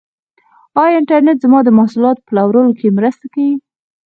آیا انټرنیټ زما د محصولاتو په پلور کې مرسته کوي؟